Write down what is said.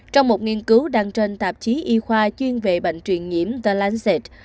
trong một nghiên cứu đăng trên tạp chí y khoa chuyên về bệnh truyền nhiễm the lancet